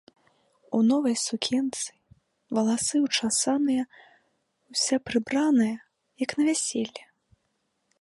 У новай сукенцы, валасы ўчасаныя, уся прыбраная, як на вяселле.